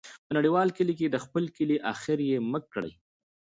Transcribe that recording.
په نړیوال کلي کې د خپل کلی ، اخر یې مه کړې.